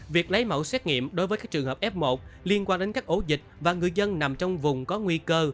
việc lấy mẫu xét nghiệm đối với các trường hợp f một liên quan đến các ổ dịch và người dân nằm trong vùng có nguy cơ